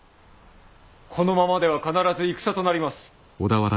このままでは必ず戦となります。